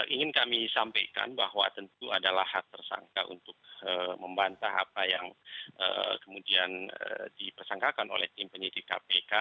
ingin kami sampaikan bahwa tentu adalah hak tersangka untuk membantah apa yang kemudian dipersangkakan oleh tim penyidik kpk